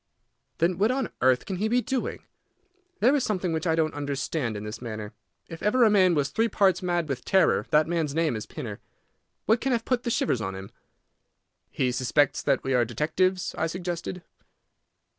"Then what on earth can he be doing? There is something which I don't understand in this manner. If ever a man was three parts mad with terror, that man's name is Pinner. What can have put the shivers on him?" "He suspects that we are detectives," I suggested.